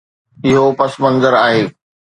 اهو پس منظر آهي.